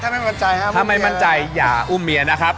ถ้าไม่มั่นใจครับถ้าไม่มั่นใจอย่าอุ้มเมียนะครับ